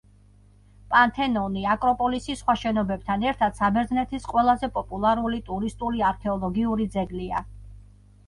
პართენონი, აკროპოლისის სხვა შენობებთან ერთად საბერძნეთის ყველაზე პოპულარული ტურისტული არქეოლოგიური ძეგლია.